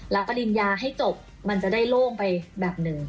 แล้วปริญญาให้จบมันจะได้โล่งไปแบบหนึ่ง